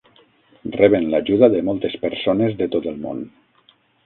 Reben l"ajuda de moltes persones de tot el món.